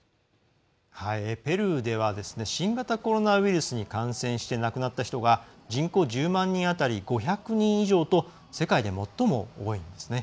ペルーでは新型コロナウイルスに感染して亡くなった人が人口１０万人当たり５００人以上と世界で最も多いんですね。